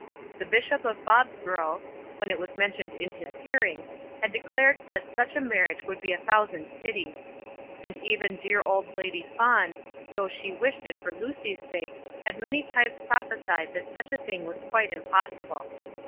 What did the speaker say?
The Bishop of Bobsborough, when it was mentioned in his hearing, had declared that such a marriage would be a thousand pities. And even dear old Lady Fawn, though she wished it for Lucy's sake, had many times prophesied that such a thing was quite impossible.